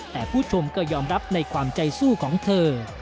แต่ผู้ชมก็ยอมรับในความใจสู้ของเธอ